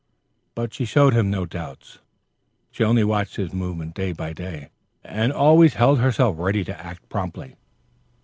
But she showed him no doubts. She only watched his movements day by day, and always held herself ready to act promptly.